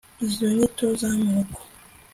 izo nyito z amoko